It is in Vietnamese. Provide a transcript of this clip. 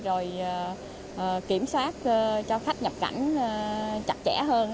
rồi kiểm soát cho khách nhập cảnh chặt chẽ hơn